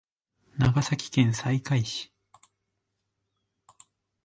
長崎県西海市